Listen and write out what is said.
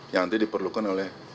yang nanti diperlukan oleh